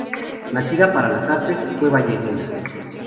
Nacida para las artes, fue ballerina.